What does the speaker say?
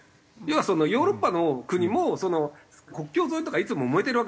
要はヨーロッパの国も国境沿いとかいつももめてるわけですよ。